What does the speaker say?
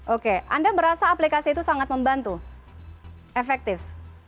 oke anda merasa aplikasi itu sangat membantu efektif